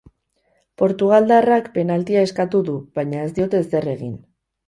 Portugaldarrak penaltia eskatu du, baina ez diote ezer egin.